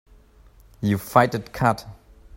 You fight it cut.